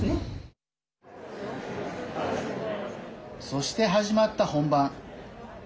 そして、始まった本番。